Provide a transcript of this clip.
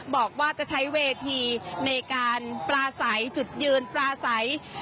บอกว่าจะใช้เวทีในการปลาใสจุดยืนปลาใส